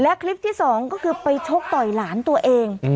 และคลิปที่สองก็คือไปชกต่อยหลานตัวเอง